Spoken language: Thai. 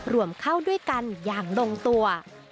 รวมเข้าด้วยกันอย่างลงตัว